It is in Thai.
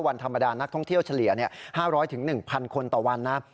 วันธรรมดานักท่องเที่ยวเฉลี่ย๕๐๐๑๐๐คนต่อวันนะ